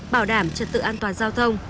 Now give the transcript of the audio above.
bảo đảm trật tự an toàn giao thông